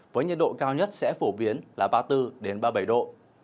với nhiệt độ cao nhất sẽ phổ biến là ba mươi bốn ba mươi bảy độ